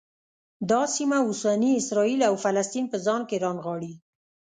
دا سیمه اوسني اسرایل او فلسطین په ځان کې رانغاړي.